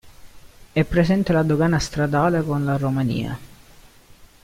È presente la dogana stradale con la Romania.